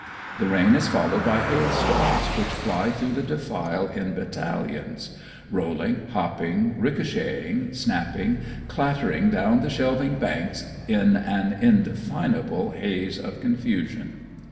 The rain is followed by hailstones which fly through the defile in battalions rolling, hopping, ricochetting, snapping, clattering down the shelving banks in an undefinable haze of confusion.